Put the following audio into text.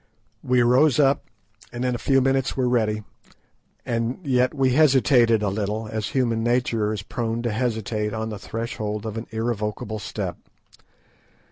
We rose up, and in a few minutes were ready, and yet we hesitated a little, as human nature is prone to hesitate on the threshold of an irrevocable step.